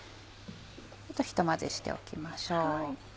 ひと混ぜしておきましょう。